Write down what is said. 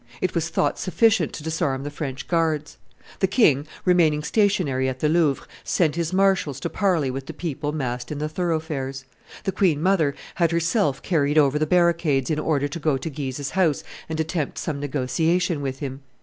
It was thought sufficient to disarm the French Guards. The king, remaining stationary at the Louvre, sent his marshals to parley with the people massed in the thoroughfares; the queen mother had herself carried over the barricades in order to go to Guise's house and attempt some negotiation with him.